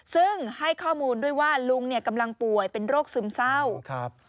ซึ่งให้ข้อมูลด้วยว่าลุงเนี่ยกำลังป่วยเป็นโรคซึมเศร้าครับ